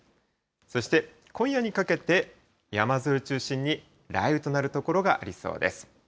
そして、今夜にかけて山沿いを中心に雷雨となる所がありそうです。